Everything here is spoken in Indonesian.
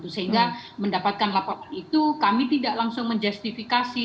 sehingga mendapatkan laporan itu kami tidak langsung menjustifikasi